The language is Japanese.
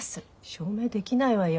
証明できないわよ。